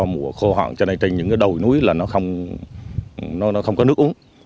mùa khô hoạn cho nên trên những cái đồi núi là nó không có nước uống